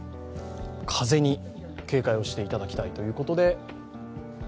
風に警戒をしていただきたいということで。